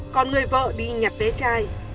còn người vợ đi nhặt vé chai